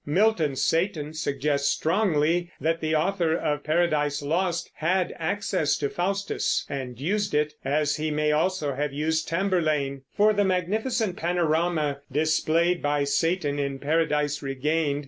Milton's Satan suggests strongly that the author of Paradise Lost had access to Faustus and used it, as he may also have used Tamburlaine, for the magnificent panorama displayed by Satan in Paradise Regained.